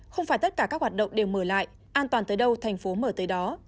không phải tất cả các hoạt động đều mở lại an toàn tới đâu thành phố mở tới đó